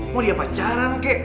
mau dia pacaran kek